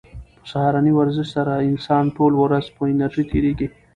په سهارني ورزش سره د انسان ټوله ورځ په انرژۍ تېریږي.